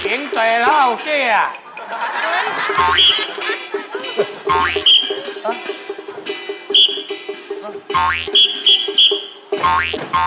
เอ็งต่อยเหล่าเชียง